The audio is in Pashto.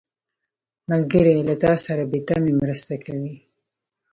ملګری له تا سره بې تمې مرسته کوي